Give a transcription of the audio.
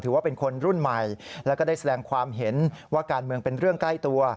ถือว่าเป็นคนรุ่นใหม่แล้วก็ได้แสดงความเห็นว่าการเมืองเป็นเรื่องใกล้ตัว